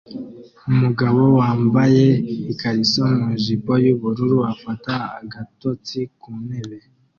Umugabo wambaye ikariso nu jipo yubururu afata agatotsi ku ntebe